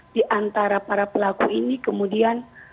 di antara para pelaku ini kemudian